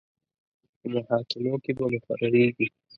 په محاکمو کې به مقرریږي.